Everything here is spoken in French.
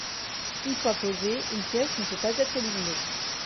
Une fois posée, une pièce ne peut pas être éliminée.